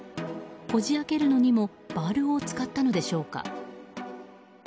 こじ開けるのにもバールを使ったのでしょうか。